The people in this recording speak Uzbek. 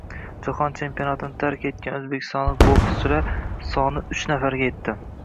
Jahon chempionatini tark etgan o‘zbekistonlik bokschilar soniuchnafarga yetdi